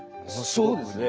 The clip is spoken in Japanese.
そうですね。